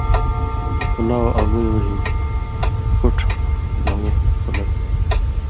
کُھلاؤ ان٘گُویؤں ہِن کُوٹھہ دھؤں سنت تھُو۔